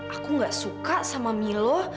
aku gak suka sama milo